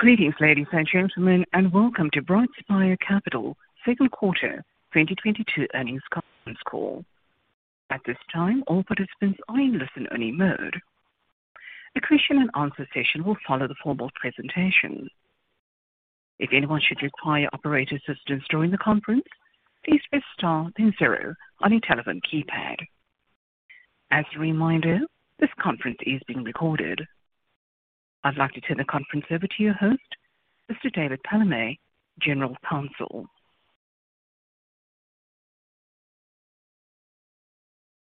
Greetings, ladies and gentlemen, and welcome to BrightSpire Capital second quarter 2022 earnings conference call. At this time, all participants are in listen-only mode. A question-and-answer session will follow the formal presentation. If anyone should require operator assistance during the conference, please press star then zero on your telephone keypad. As a reminder, this conference is being recorded. I'd like to turn the conference over to your host, Mr. David Palamé, General Counsel.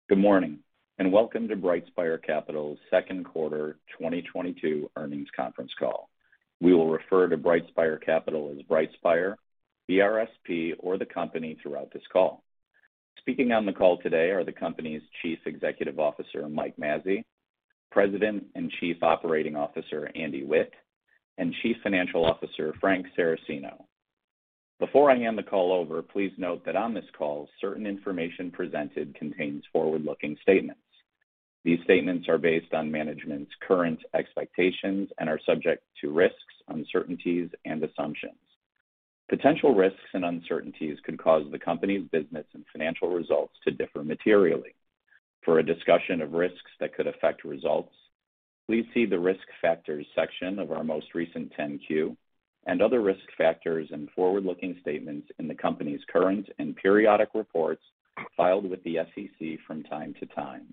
Good morning and welcome to BrightSpire Capital's second quarter 2022 earnings conference call. We will refer to BrightSpire Capital as BrightSpire, BRSP, or the company throughout this call. Speaking on the call today are the company's Chief Executive Officer, Mike Mazzei, President and Chief Operating Officer, Andy Witt, and Chief Financial Officer, Frank Saracino. Before I hand the call over, please note that on this call, certain information presented contains forward-looking statements. These statements are based on management's current expectations and are subject to risks, uncertainties and assumptions. Potential risks and uncertainties could cause the company's business and financial results to differ materially. For a discussion of risks that could affect results, please see the Risk Factors section of our most recent Form 10-Q and other risk factors and forward-looking statements in the company's current and periodic reports filed with the SEC from time to time.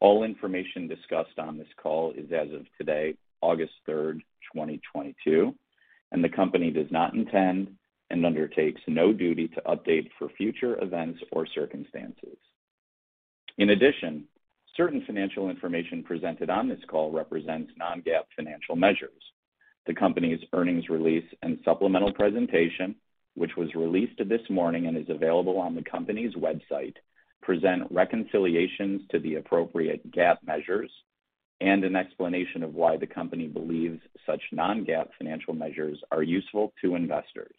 All information discussed on this call is as of today, August 3rd, 2022, and the company does not intend and undertakes no duty to update for future events or circumstances. In addition, certain financial information presented on this call represents non-GAAP financial measures. The company's earnings release and supplemental presentation, which was released this morning and is available on the company's website, present reconciliations to the appropriate GAAP measures and an explanation of why the company believes such non-GAAP financial measures are useful to investors.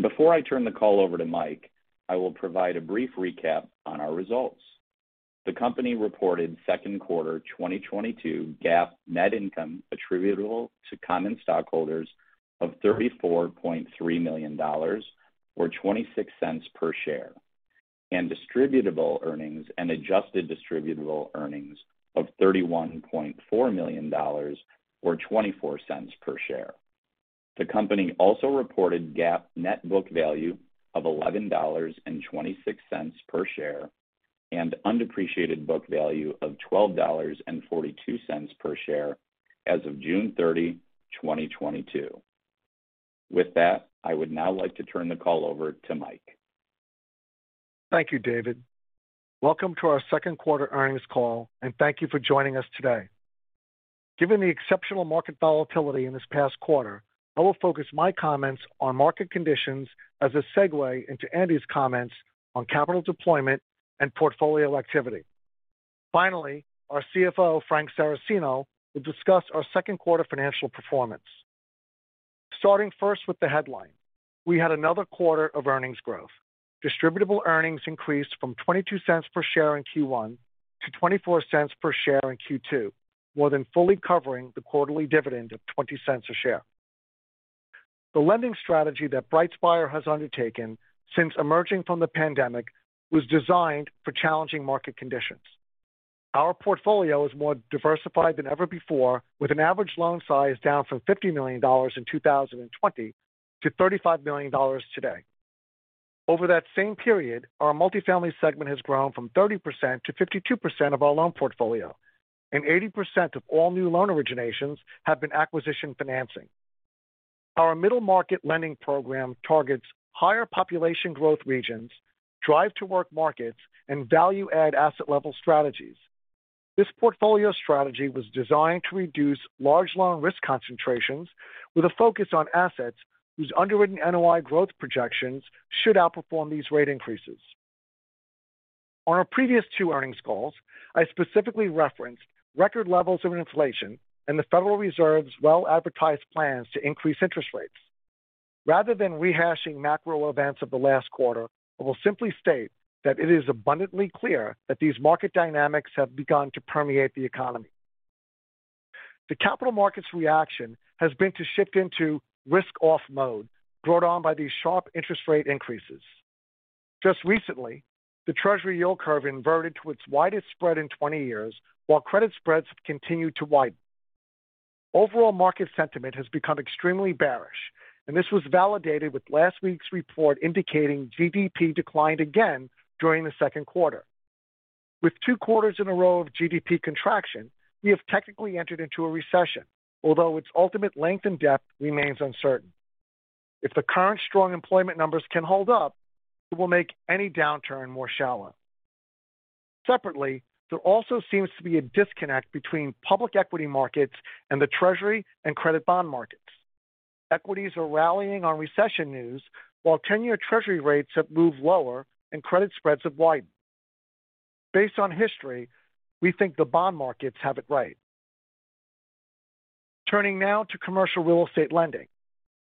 Before I turn the call over to Mike, I will provide a brief recap on our results. The company reported second quarter 2022 GAAP net income attributable to common stockholders of $34.3 million, or $0.26 per share, and Distributable Earnings and Adjusted Distributable Earnings of $31.4 million or $0.24 per share. The company also reported GAAP net book value of $11.26 per share and undepreciated book value of $12.42 per share as of June 30, 2022. With that, I would now like to turn the call over to Mike Mazzei. Thank you, David. Welcome to our second quarter earnings call and thank you for joining us today. Given the exceptional market volatility in this past quarter, I will focus my comments on market conditions as a segue into Andy's comments on capital deployment and portfolio activity. Finally, our CFO, Frank Saracino, will discuss our second quarter financial performance. Starting first with the headline. We had another quarter of earnings growth. Distributable earnings increased from $0.22 per share in Q1 to $0.24 per share in Q2, more than fully covering the quarterly dividend of $0.20 a share. The lending strategy that BrightSpire has undertaken since emerging from the pandemic was designed for challenging market conditions. Our portfolio is more diversified than ever before with an average loan size down from $50 million in 2020 to $35 million today. Over that same period, our multifamily segment has grown from 30% to 52% of our loan portfolio, and 80% of all new loan originations have been acquisition financing. Our middle market lending program targets higher population growth regions, drive to work markets, and value add asset level strategies. This portfolio strategy was designed to reduce large loan risk concentrations with a focus on assets whose underwritten NOI growth projections should outperform these rate increases. On our previous two earnings calls, I specifically referenced record levels of inflation and the Federal Reserve's well-advertised plans to increase interest rates. Rather than rehashing macro events of the last quarter, I will simply state that it is abundantly clear that these market dynamics have begun to permeate the economy. The capital markets reaction has been to shift into risk off mode, brought on by these sharp interest rate increases. Just recently, the Treasury yield curve inverted to its widest spread in 20 years while credit spreads have continued to widen. Overall market sentiment has become extremely bearish, and this was validated with last week's report indicating GDP declined again during the second quarter. With two quarters in a row of GDP contraction, we have technically entered into a recession, although its ultimate length and depth remains uncertain. If the current strong employment numbers can hold up, it will make any downturn more shallow. Separately, there also seems to be a disconnect between public equity markets and the Treasury and credit bond markets. Equities are rallying on recession news while 10-year Treasury rates have moved lower and credit spreads have widened. Based on history, we think the bond markets have it right. Turning now to commercial real estate lending.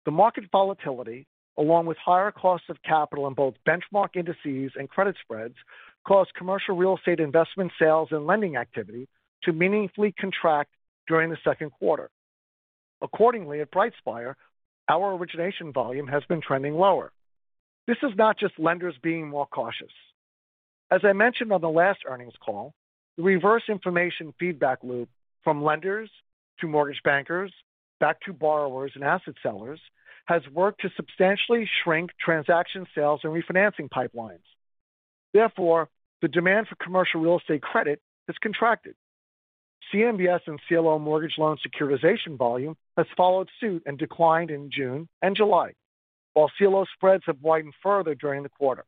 The market volatility, along with higher costs of capital in both benchmark indices and credit spreads, caused commercial real estate investment sales and lending activity to meaningfully contract during the second quarter. Accordingly, at BrightSpire, our origination volume has been trending lower. This is not just lenders being more cautious. As I mentioned on the last earnings call, the reverse information feedback loop from lenders to mortgage bankers back to borrowers and asset sellers has worked to substantially shrink transaction sales and refinancing pipelines. Therefore, the demand for commercial real estate credit has contracted. CMBS and CLO mortgage loan securitization volume has followed suit and declined in June and July. While CLO spreads have widened further during the quarter.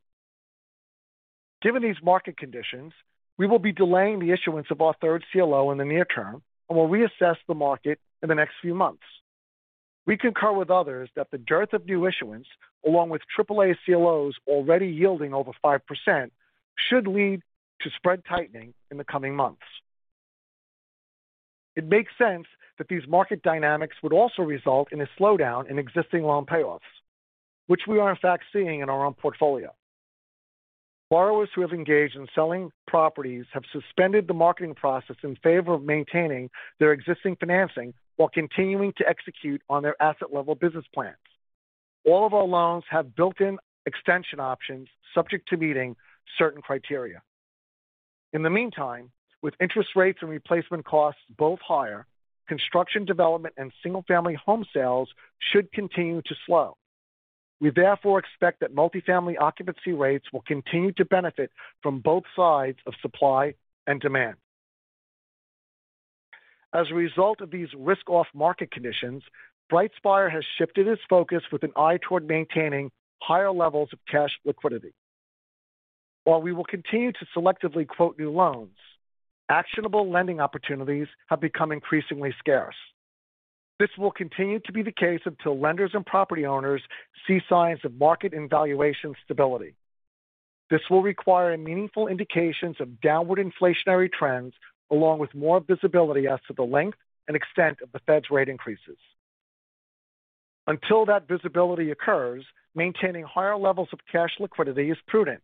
Given these market conditions, we will be delaying the issuance of our third CLO in the near term and will reassess the market in the next few months. We concur with others that the dearth of new issuance, along with triple A CLOs already yielding over 5% should lead to spread tightening in the coming months. It makes sense that these market dynamics would also result in a slowdown in existing loan payoffs, which we are in fact seeing in our own portfolio. Borrowers who have engaged in selling properties have suspended the marketing process in favor of maintaining their existing financing while continuing to execute on their asset level business plans. All of our loans have built-in extension options subject to meeting certain criteria. In the meantime, with interest rates and replacement costs both higher, construction development and single-family home sales should continue to slow. We therefore expect that multi-family occupancy rates will continue to benefit from both sides of supply and demand. As a result of these risk-off market conditions, BrightSpire has shifted its focus with an eye toward maintaining higher levels of cash liquidity. While we will continue to selectively quote new loans, actionable lending opportunities have become increasingly scarce. This will continue to be the case until lenders and property owners see signs of market and valuation stability. This will require meaningful indications of downward inflationary trends, along with more visibility as to the length and extent of the Fed's rate increases. Until that visibility occurs, maintaining higher levels of cash liquidity is prudent.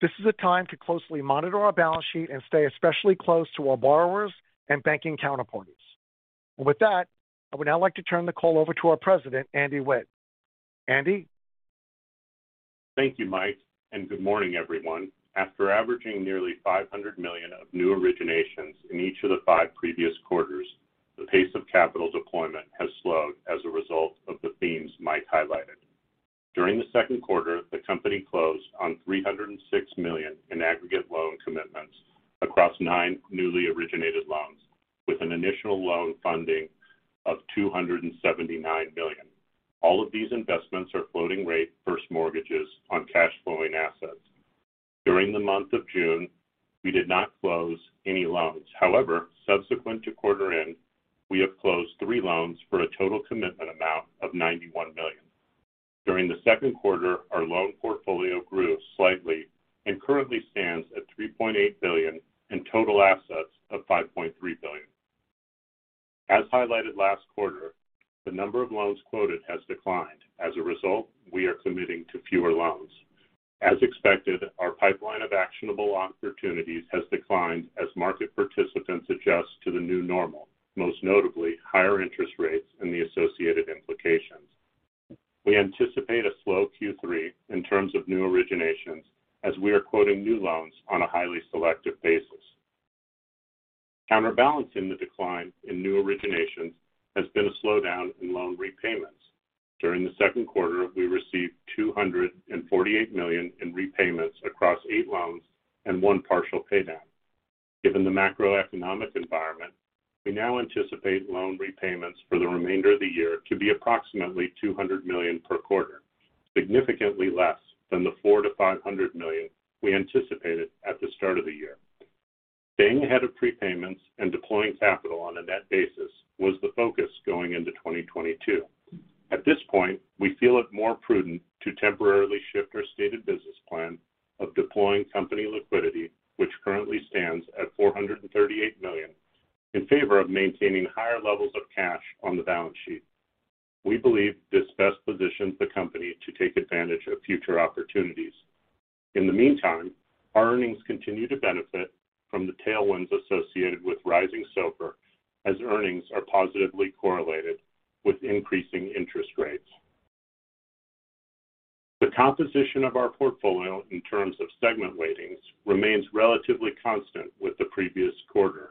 This is a time to closely monitor our balance sheet and stay especially close to our borrowers and banking counterparties. With that, I would now like to turn the call over to our President, Andy Witt. Andy? Thank you, Mike, and good morning, everyone. After averaging nearly $500 million of new originations in each of the five previous quarters, the pace of capital deployment has slowed as a result of the themes Mike highlighted. During the second quarter, the company closed on $306 million in aggregate loan commitments across nine newly originated loans with an initial loan funding of $279 million. All of these investments are floating rate first mortgages on cash flowing assets. During the month of June, we did not close any loans. However, subsequent to quarter end, we have closed three loans for a total commitment amount of $91 million. During the second quarter, our loan portfolio grew slightly and currently stands at $3.8 billion and total assets of $5.3 billion. As highlighted last quarter, the number of loans quoted has declined. As a result, we are committing to fewer loans. As expected, our pipeline of actionable opportunities has declined as market participants adjust to the new normal, most notably higher interest rates and the associated implications. We anticipate a slow Q3 in terms of new originations as we are quoting new loans on a highly selective basis. Counterbalancing the decline in new originations has been a slowdown in loan repayments. During the second quarter, we received $248 million in repayments across eight loans and one partial pay down. Given the macroeconomic environment, we now anticipate loan repayments for the remainder of the year to be approximately $200 million per quarter, significantly less than the $400 million-$500 million we anticipated at the start of the year. Staying ahead of prepayments and deploying capital on a net basis was the focus going into 2022. At this point, we feel it more prudent to temporarily shift our stated business plan of deploying company liquidity, which currently stands at $438 million, in favor of maintaining higher levels of cash on the balance sheet. We believe this best positions the company to take advantage of future opportunities. In the meantime, our earnings continue to benefit from the tailwinds associated with rising SOFR as earnings are positively correlated with increasing interest rates. The composition of our portfolio in terms of segment weightings remains relatively constant with the previous quarter.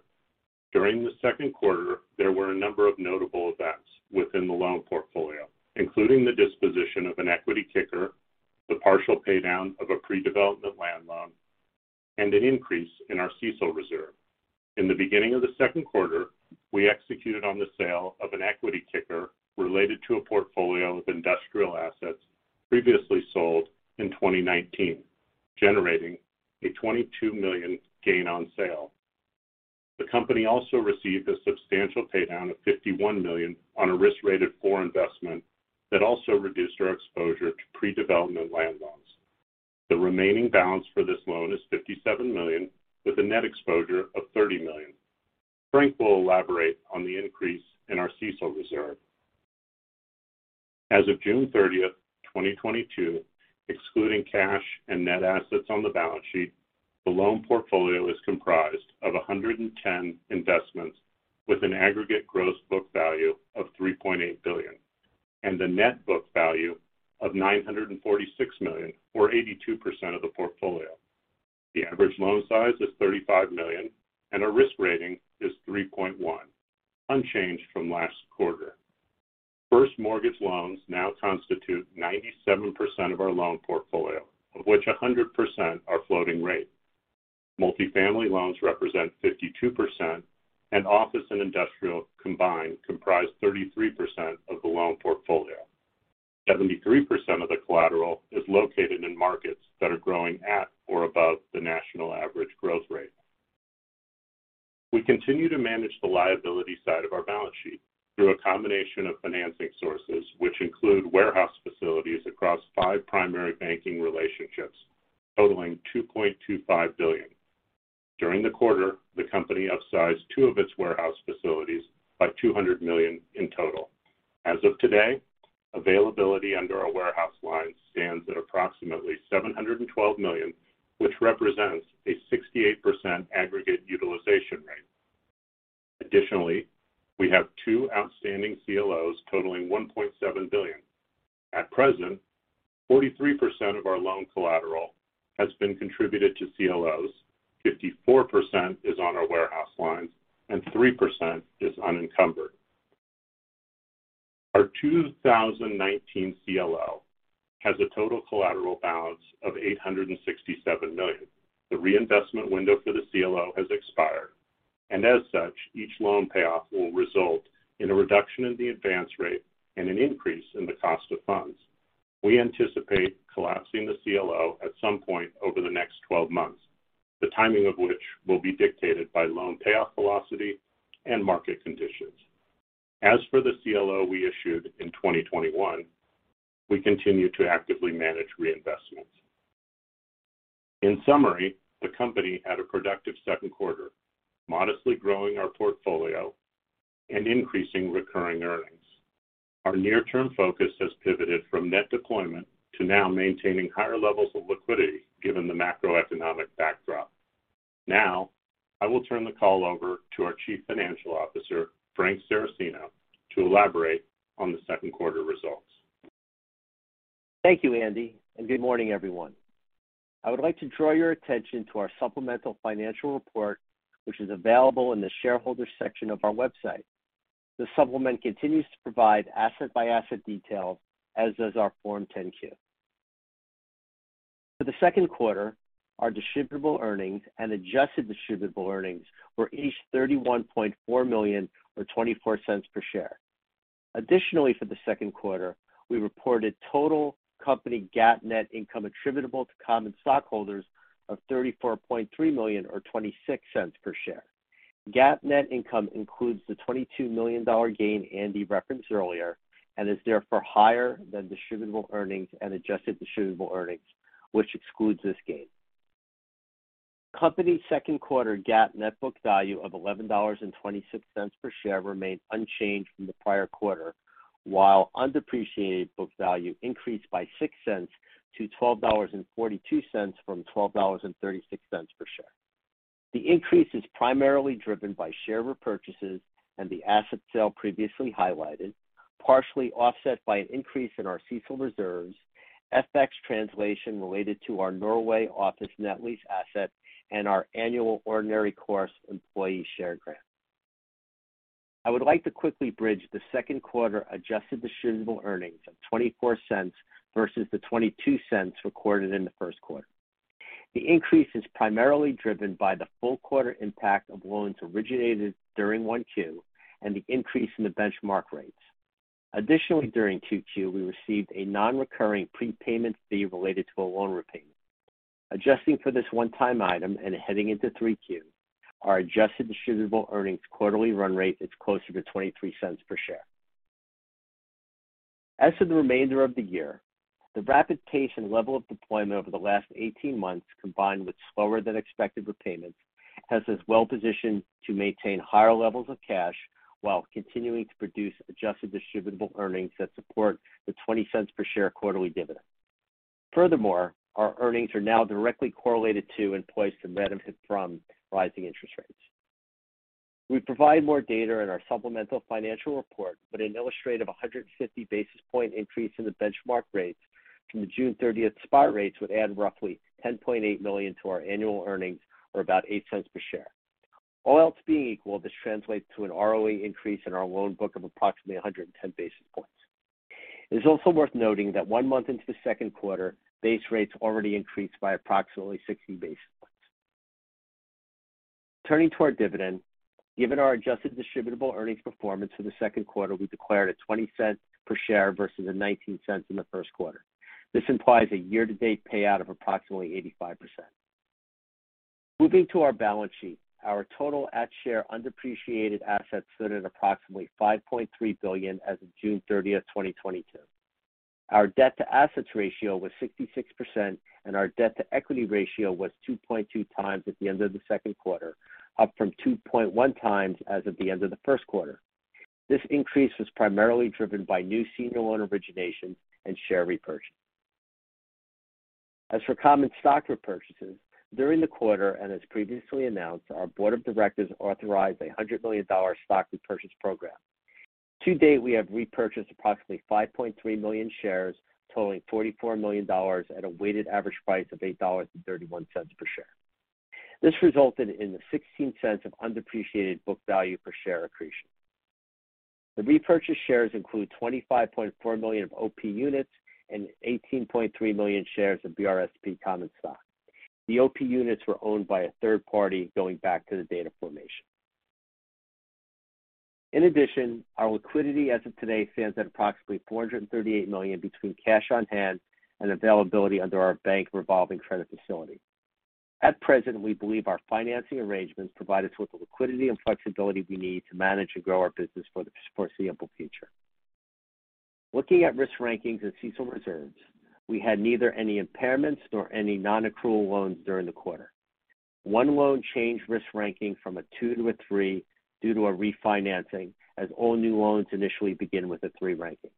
During the second quarter, there were a number of notable events within the loan portfolio, including the disposition of an equity kicker, the partial pay down of a pre-development land loan, and an increase in our CECL reserve. In the beginning of the second quarter, we executed on the sale of an equity kicker related to a portfolio of industrial assets previously sold in 2019, generating a $22 million gain on sale. The company also received a substantial pay down of $51 million on a risk-rated four investment that also reduced our exposure to pre-development land loans. The remaining balance for this loan is $57 million, with a net exposure of $30 million. Frank will elaborate on the increase in our CECL reserve. As of June 30th, 2022, excluding cash and net assets on the balance sheet, the loan portfolio is comprised of 110 investments with an aggregate gross book value of $3.8 billion and a net book value of $946 million, or 82% of the portfolio. The average loan size is $35 million, and our risk rating is 3.1, unchanged from last quarter. First mortgage loans now constitute 97% of our loan portfolio, of which 100% are floating rate. Multifamily loans represent 52%, and office and industrial combined comprise 33% of the loan portfolio. 73% of the collateral is located in markets that are growing at or above the national average growth rate. We continue to manage the liability side of our balance sheet through a combination of financing sources, which include warehouse facilities across five primary banking relationships totaling $2.25 billion. During the quarter, the company upsized two of its warehouse facilities by $200 million in total. As of today, availability under our warehouse line stands at approximately $712 million, which represents a 68% aggregate utilization rate. Additionally, we have two outstanding CLOs totaling $1.7 billion. At present, 43% of our loan collateral has been contributed to CLOs, 54% is on our warehouse lines, and 3% is unencumbered. Our 2019 CLO has a total collateral balance of $867 million. The reinvestment window for the CLO has expired, and as such, each loan payoff will result in a reduction in the advance rate and an increase in the cost of funds. We anticipate collapsing the CLO at some point over the next 12 months, the timing of which will be dictated by loan payoff velocity and market conditions. As for the CLO we issued in 2021, we continue to actively manage reinvestments. In summary, the company had a productive second quarter, modestly growing our portfolio and increasing recurring earnings. Our near-term focus has pivoted from net deployment to now maintaining higher levels of liquidity given the macroeconomic backdrop. Now, I will turn the call over to our Chief Financial Officer, Frank Saracino, to elaborate on the second quarter results. Thank you, Andy, and good morning, everyone. I would like to draw your attention to our supplemental financial report, which is available in the Shareholders section of our website. The supplement continues to provide asset-by-asset detail, as does our Form 10-Q. For the second quarter, our distributable earnings and adjusted distributable earnings were each $31.4 million, or $0.24 per share. Additionally, for the second quarter, we reported total company GAAP net income attributable to common stockholders of $34.3 million, or $0.26 per share. GAAP net income includes the $22 million gain Andy referenced earlier and is therefore higher than distributable earnings and adjusted distributable earnings, which excludes this gain. Company's second quarter GAAP net book value of $11.26 per share remained unchanged from the prior quarter, while undepreciated book value increased by 6 cents to $12.42 from $12.36 per share. The increase is primarily driven by share repurchases and the asset sale previously highlighted, partially offset by an increase in our CECL reserves, FX translation related to our Norway office net lease asset, and our annual ordinary course employee share grant. I would like to quickly bridge the second quarter adjusted distributable earnings of $0.24 versus the $0.22 recorded in the first quarter. The increase is primarily driven by the full quarter impact of loans originated during 1Q and the increase in the benchmark rates. Additionally, during 2Q, we received a non-recurring prepayment fee related to a loan repayment. Adjusting for this one-time item and heading into 3Q, our adjusted distributable earnings quarterly run rate is closer to $0.23 per share. As for the remainder of the year, the rapid pace and level of deployment over the last 18 months, combined with slower than expected repayments, has us well-positioned to maintain higher levels of cash while continuing to produce adjusted distributable earnings that support the $0.20 per share quarterly dividend. Furthermore, our earnings are now directly correlated to and poised to benefit from rising interest rates. We provide more data in our supplemental financial report, but an illustrative 150 basis point increase in the benchmark rates from the June 30th spot rates would add roughly $10.8 million to our annual earnings, or about $0.08 per share. All else being equal, this translates to an ROE increase in our loan book of approximately 110 basis points. It is also worth noting that one month into the second quarter, base rates already increased by approximately 60 basis points. Turning to our dividend, given our adjusted distributable earnings performance for the second quarter, we declared a $0.20 per share versus a $0.19 in the first quarter. This implies a year-to-date payout of approximately 85%. Moving to our balance sheet. Our total undepreciated book value stood at approximately $5.3 billion as of June 30th, 2022. Our debt to assets ratio was 66% and our debt to equity ratio was 2.2 times at the end of the second quarter, up from 2.1 times as of the end of the first quarter. This increase was primarily driven by new senior loan origination and share repurchase. As for common stock repurchases, during the quarter and as previously announced, our board of directors authorized $100 million stock repurchase program. To date, we have repurchased approximately 5.3 million shares, totaling $44 million at a weighted average price of $8.31 per share. This resulted in the $0.16 of undepreciated book value per share accretion. The repurchased shares include 25.4 million of OP units and 18.3 million shares of BRSP common stock. The OP units were owned by a third party going back to the date of formation. In addition, our liquidity as of today stands at approximately $438 million between cash on hand and availability under our bank revolving credit facility. At present, we believe our financing arrangements provide us with the liquidity and flexibility we need to manage and grow our business for the foreseeable future. Looking at risk rankings and CECL reserves, we had neither any impairments nor any non-accrual loans during the quarter. One loan changed risk ranking from a two to a three due to a refinancing as all new loans initially begin with a three ranking.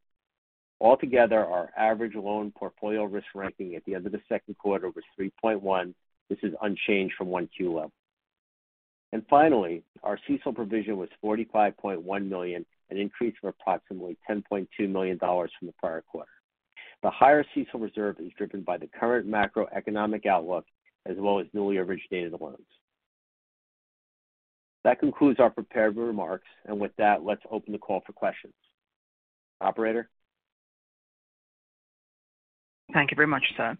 Altogether, our average loan portfolio risk ranking at the end of the second quarter was 3.1. This is unchanged from 1Q level. Finally, our CECL provision was $45.1 million, an increase of approximately $10.2 million from the prior quarter. The higher CECL reserve is driven by the current macroeconomic outlook as well as newly originated loans. That concludes our prepared remarks. With that, let's open the call for questions. Operator. Thank you very much, sir.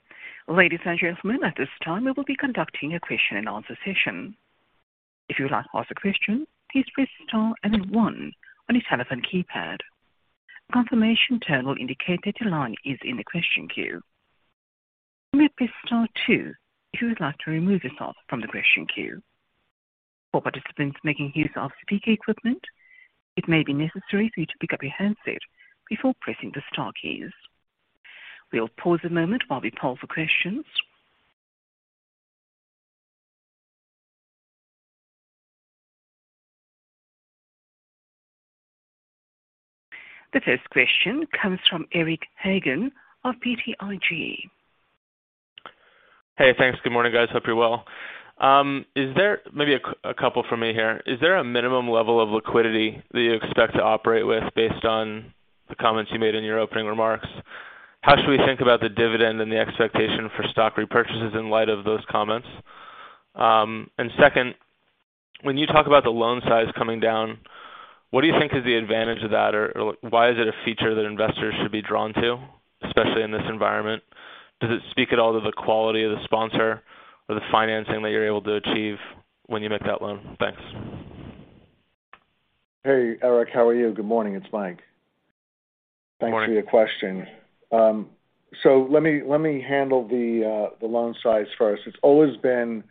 Ladies and gentlemen, at this time we will be conducting a question-and-answer session. If you would like to ask a question, please press star and then one on your telephone keypad. A confirmation tone will indicate that your line is in the question queue. You may press star two if you would like to remove yourself from the question queue. For participants making use of speaker equipment, it may be necessary for you to pick up your handset before pressing the star keys. We'll pause a moment while we poll for questions. The first question comes from Eric Hagen of BTIG. Hey, thanks. Good morning, guys. Hope you're well. Maybe a couple for me here. Is there a minimum level of liquidity that you expect to operate with based on the comments you made in your opening remarks? How should we think about the dividend and the expectation for stock repurchases in light of those comments? And second, when you talk about the loan size coming down, what do you think is the advantage of that? Or why is it a feature that investors should be drawn to, especially in this environment? Does it speak at all to the quality of the sponsor or the financing that you're able to achieve when you make that loan? Thanks. Hey, Eric, how are you? Good morning. It's Mike. Good morning. Thanks for your question. Let me handle the loan size first. It's always been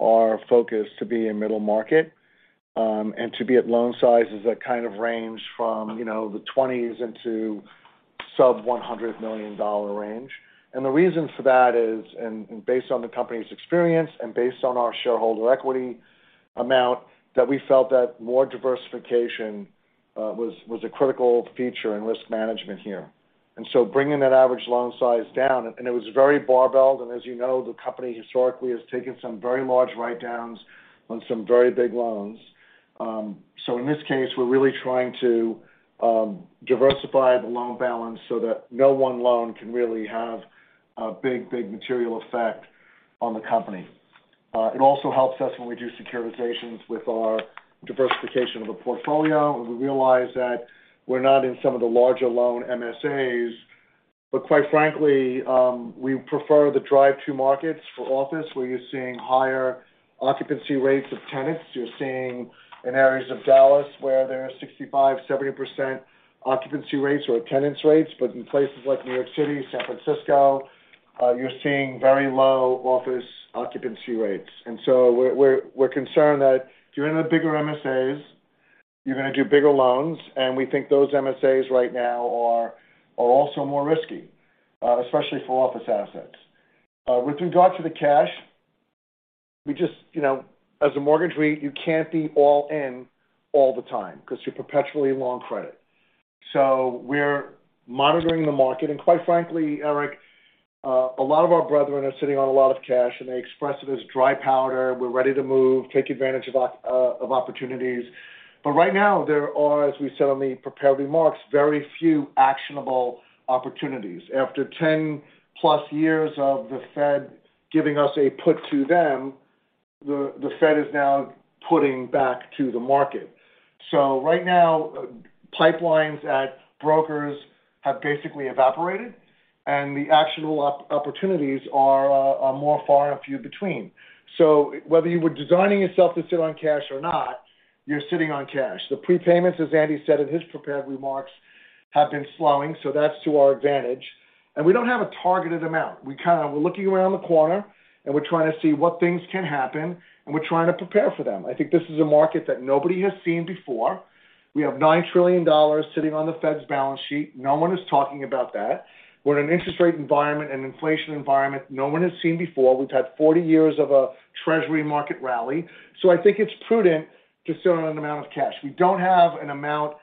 our focus to be in middle market, and to be at loan sizes that kind of range from, you know, the $20s into sub-$100 million range. The reason for that is, based on the company's experience and based on our shareholder equity amount, that we felt that more diversification was a critical feature in risk management here. Bringing that average loan size down, and it was very barbelled. As you know, the company historically has taken some very large write-downs on some very big loans. In this case, we're really trying to diversify the loan balance so that no one loan can really have a big material effect on the company. It also helps us when we do securitizations with our diversification of a portfolio. We realize that we're not in some of the larger loan MSAs, but quite frankly, we prefer the drive-to markets for office, where you're seeing higher occupancy rates of tenants. You're seeing in areas of Dallas where there are 65%, 70% occupancy rates or tenant rates. In places like New York City, San Francisco, you're seeing very low office occupancy rates. We're concerned that if you're in the bigger MSAs, you're gonna do bigger loans. We think those MSAs right now are also more risky, especially for office assets. With regard to the cash, we just, as a mortgage REIT, you can't be all in all the time because you're perpetually long credit. We're monitoring the market. Quite frankly, Eric, a lot of our brethren are sitting on a lot of cash, and they express it as dry powder. We're ready to move, take advantage of opportunities. Right now there are, as we said on the prepared remarks, very few actionable opportunities. After 10+ years of the Fed giving us a put to them, the Fed is now putting back to the market. Right now, pipelines at brokers have basically evaporated and the actionable opportunities are few and far between. Whether you were positioning yourself to sit on cash or not, you're sitting on cash. The prepayments, as Andy said in his prepared remarks, have been slowing, so that's to our advantage. We don't have a targeted amount. We're looking around the corner, and we're trying to see what things can happen, and we're trying to prepare for them. I think this is a market that nobody has seen before. We have $9 trillion sitting on the Fed's balance sheet. No one is talking about that. We're in an interest rate environment and inflation environment no one has seen before. We've had 40 years of a treasury market rally. I think it's prudent to sit on an amount of cash. We don't have an amount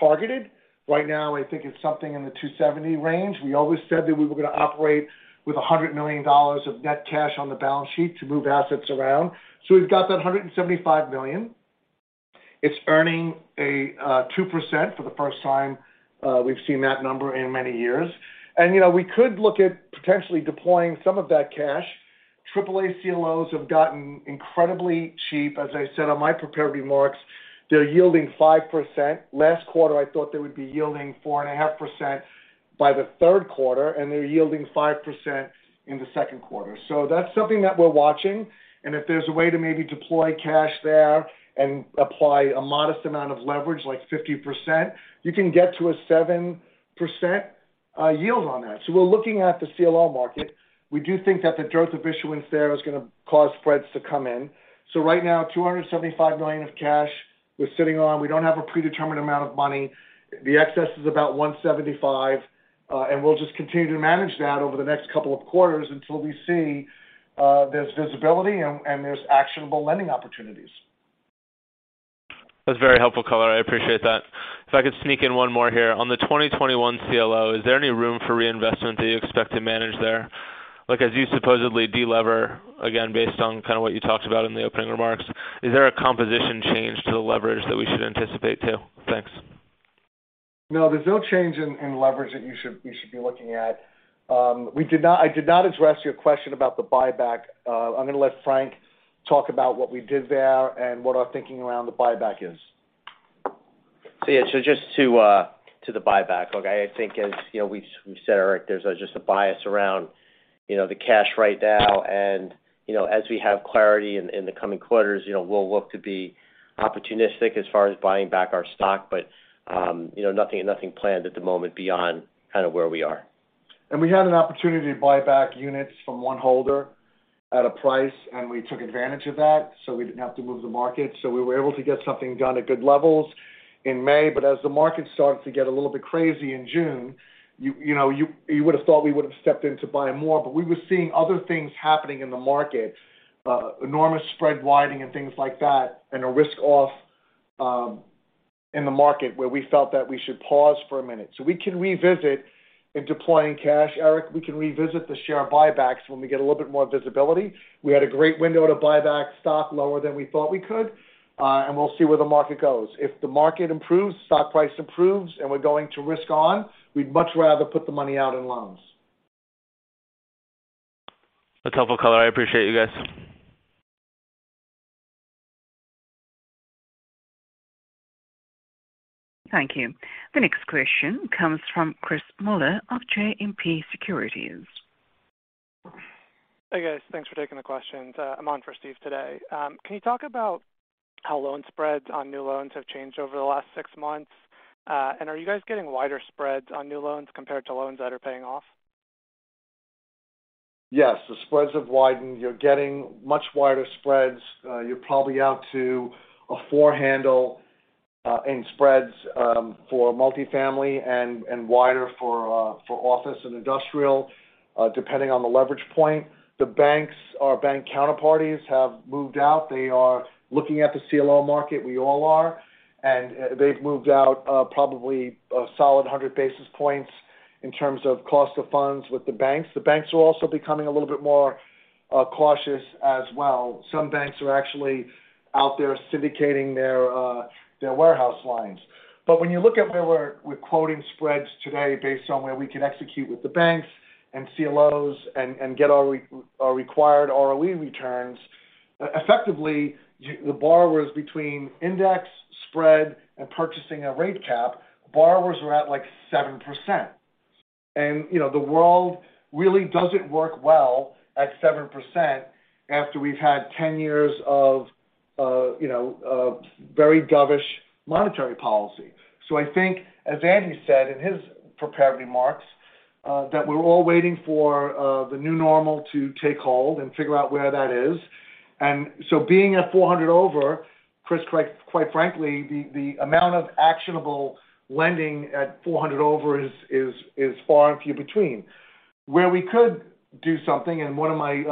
targeted. Right now, I think it's something in the $270 million range. We always said that we were gonna operate with a $100 million of net cash on the balance sheet to move assets around. We've got that $175 million. It's earning a 2% for the first time we've seen that number in many years. You know, we could look at potentially deploying some of that cash. AAA CLOs have gotten incredibly cheap. As I said on my prepared remarks, they're yielding 5%. Last quarter, I thought they would be yielding 4.5% by the third quarter, and they're yielding 5% in the second quarter. That's something that we're watching. If there's a way to maybe deploy cash there and apply a modest amount of leverage, like 50%, you can get to a 7% yield on that. We're looking at the CLO market. We do think that the dearth of issuance there is gonna cause spreads to come in. Right now, $275 million of cash we're sitting on. We don't have a predetermined amount of money. The excess is about $175, and we'll just continue to manage that over the next couple of quarters until we see there's visibility and there's actionable lending opportunities. That's very helpful color. I appreciate that. If I could sneak in one more here. On the 2021 CLO, is there any room for reinvestment that you expect to manage there? Like, as you supposedly de-lever, again, based on kind of what you talked about in the opening remarks, is there a composition change to the leverage that we should anticipate too? Thanks. No, there's no change in leverage that you should be looking at. I did not address your question about the buyback. I'm gonna let Frank talk about what we did there and what our thinking around the buyback is. Yeah, just to the buyback. Look, I think as you know, we've said, Eric, there's just a bias around you know the cash right now. You know, as we have clarity in the coming quarters, you know, we'll look to be opportunistic as far as buying back our stock. You know, nothing planned at the moment beyond kind of where we are. We had an opportunity to buy back units from one holder at a price, and we took advantage of that, so we didn't have to move the market. We were able to get something done at good levels in May. As the market started to get a little bit crazy in June, you know, you would've thought we would've stepped in to buy more. We were seeing other things happening in the market, enormous spread widening and things like that, and a risk-off in the market where we felt that we should pause for a minute. We can revisit in deploying cash, Eric. We can revisit the share buybacks when we get a little bit more visibility. We had a great window to buy back stock lower than we thought we could, and we'll see where the market goes. If the market improves, stock price improves, and we're going to risk on, we'd much rather put the money out in loans. That's helpful color. I appreciate you guys. Thank you. The next question comes from Chris Muller of JMP Securities. Hey, guys. Thanks for taking the questions. I'm on for Steve today. Can you talk about how loan spreads on new loans have changed over the last six months? Are you guys getting wider spreads on new loans compared to loans that are paying off? Yes. The spreads have widened. You're getting much wider spreads. You're probably out to a four handle in spreads for multifamily and wider for office and industrial, depending on the leverage point. The banks or bank counterparties have moved out. They are looking at the CLO market. We all are. They've moved out probably a solid 100 basis points in terms of cost of funds with the banks. The banks are also becoming a little bit more cautious as well. Some banks are actually out there syndicating their warehouse lines. When you look at where we're quoting spreads today based on where we can execute with the banks and CLOs and get our required ROE returns, effectively, the borrowers between index, spread, and purchasing a rate cap, borrowers are at, like, 7%. You know, the world really doesn't work well at 7% after we've had 10 years of you know, of very dovish monetary policy. I think, as Andy said in his prepared remarks, that we're all waiting for the new normal to take hold and figure out where that is. Being at 400 over, Chris, quite frankly, the amount of actionable lending at 400 over is far and few between. Where we could do something, and one of my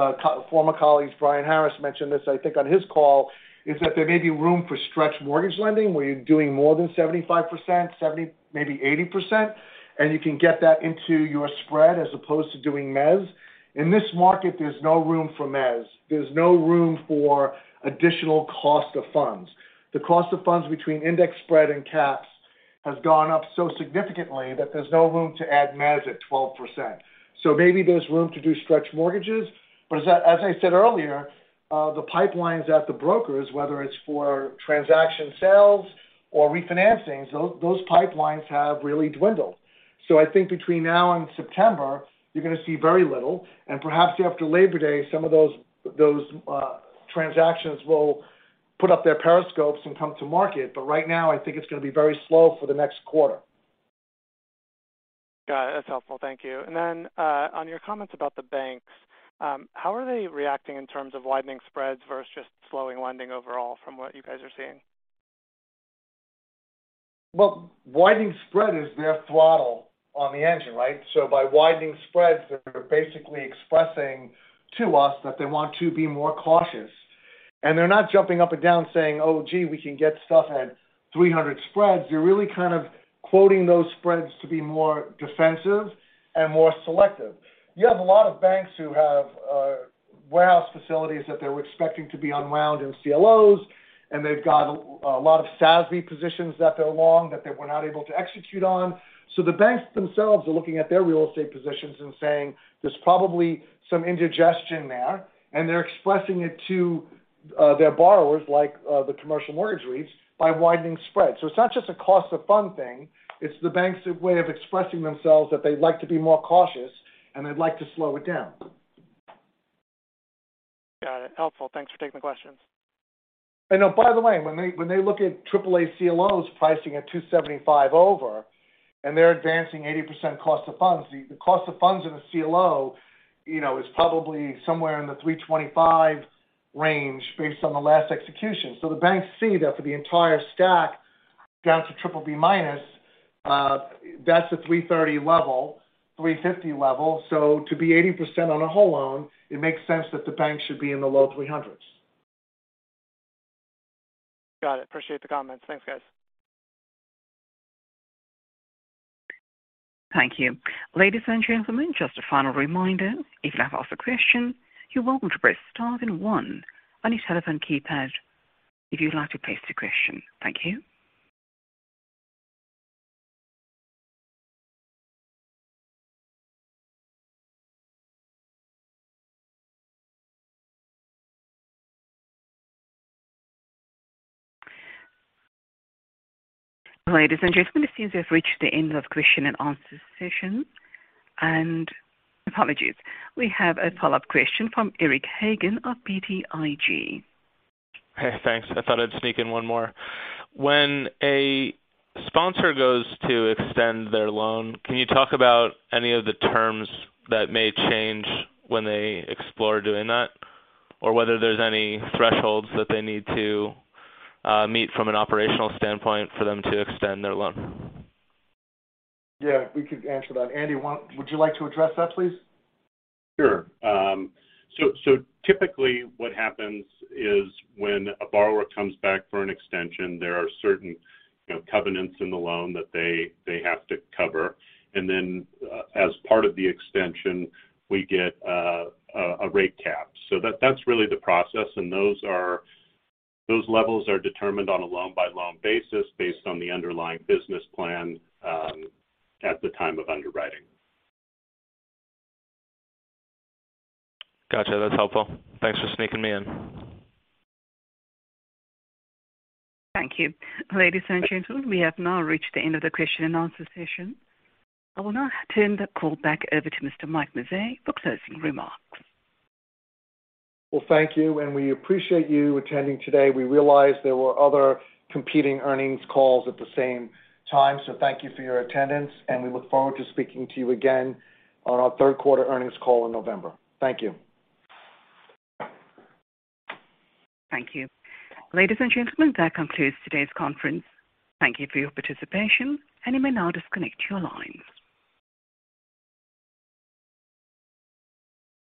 former colleagues, Brian Harris, mentioned this, I think, on his call, is that there may be room for stretch mortgage lending, where you're doing more than 75%, 70, maybe 80%, and you can get that into your spread as opposed to doing mezz. In this market, there's no room for mezz. There's no room for additional cost of funds. The cost of funds between index spread and caps has gone up so significantly that there's no room to add mezz at 12%. Maybe there's room to do stretch mortgages, but as I said earlier, the pipelines at the brokers, whether it's for transaction sales or refinancings, those pipelines have really dwindled. I think between now and September, you're gonna see very little. Perhaps after Labor Day, some of those transactions will put up their periscopes and come to market. But right now, I think it's gonna be very slow for the next quarter. Got it. That's helpful. Thank you. On your comments about the banks, how are they reacting in terms of widening spreads versus just slowing lending overall from what you guys are seeing? Well, widening spread is their throttle on the engine, right? By widening spreads, they're basically expressing to us that they want to be more cautious. They're not jumping up and down saying, "Oh, gee, we can get stuff at 300 spreads." You're really kind of quoting those spreads to be more defensive and more selective. You have a lot of banks who have warehouse facilities that they were expecting to be unwound in CLOs, and they've got a lot of SASB positions that they're long that they were not able to execute on. The banks themselves are looking at their real estate positions and saying, "There's probably some indigestion there." They're expressing it to their borrowers, like, the commercial mortgage REITs, by widening spreads. It's not just a cost of funds thing, it's the bank's way of expressing themselves that they'd like to be more cautious and they'd like to slow it down. Got it. Helpful. Thanks for taking the question. Now, by the way, when they look at AAA CLOs pricing at 275 over, and they're advancing 80% cost of funds, the cost of funds in a CLO, you know, is probably somewhere in the 325 range based on the last execution. The banks see that for the entire stack down to BBB-, that's a 330 level, 350 level. To be 80% on a whole loan, it makes sense that the bank should be in the low 300s. Got it. Appreciate the comments. Thanks, guys. Thank you. Ladies and gentlemen, just a final reminder, if you have asked a question, you're welcome to press star then one on your telephone keypad if you'd like to pose the question. Thank you. Ladies and gentlemen, it seems we have reached the end of question and answer session. Apologies. We have a follow-up question from Eric Hagen of BTIG. Hey, thanks. I thought I'd sneak in one more. When a sponsor goes to extend their loan, can you talk about any of the terms that may change when they explore doing that? Or whether there's any thresholds that they need to meet from an operational standpoint for them to extend their loan? Yeah, we could answer that. Andy, would you like to address that, please? Sure. Typically what happens is when a borrower comes back for an extension, there are certain, you know, covenants in the loan that they have to cover. As part of the extension, we get a rate cap. That's really the process. Those levels are determined on a loan-by-loan basis based on the underlying business plan at the time of underwriting. Gotcha. That's helpful. Thanks for sneaking me in. Thank you. Ladies and gentlemen, we have now reached the end of the question-and-answer session. I will now turn the call back over to Mr. Mike Mazzei for closing remarks. Well, thank you, and we appreciate you attending today. We realize there were other competing earnings calls at the same time, so thank you for your attendance, and we look forward to speaking to you again on our third quarter earnings call in November. Thank you. Thank you. Ladies and gentlemen, that concludes today's conference. Thank you for your participation, and you may now disconnect your lines.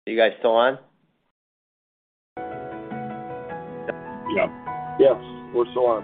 You guys still on? Yeah. Yes, we're still on.